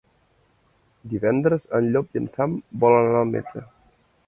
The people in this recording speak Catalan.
Divendres en Llop i en Sam volen anar al metge.